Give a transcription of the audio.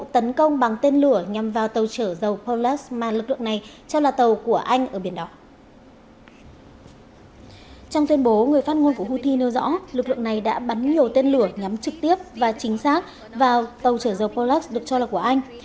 trong tuyên bố người phát ngôn của houthi nêu rõ lực lượng này đã bắn nhiều tên lửa nhắm trực tiếp và chính xác vào tàu trở dầu polux được cho là của anh